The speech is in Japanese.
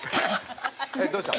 どうした？